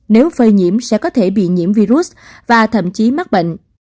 nếu phơi nhiễm sẽ có thể bị nhiễm virus và thậm chí mắc bệnh